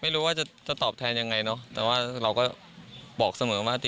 ไม่ได้ไหม้ที่ข้างทางที่มันเป็นที่อันนี้